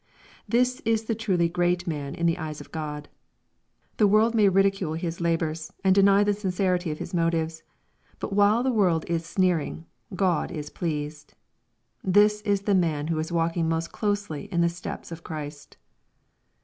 This is the truly great man in the eyes of God. The world may ridicule his labors and deny the sincerity of his motives. But while the world is sneer ing, God is pleased. This is the mar, who is walking most closely in the steps of Christ.